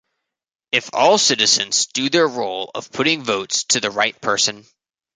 If all citizens do their role of putting votes to the right person.